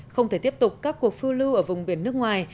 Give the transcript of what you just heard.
không thể tiếp tục các cuộc phưu lưu ở vùng biển nước ngoài